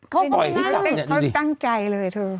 เขาต่อยให้จำเนี่ยตั้งใจเลยเธอ